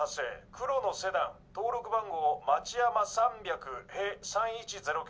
黒のセダン登録番号町山３００へ３１０９。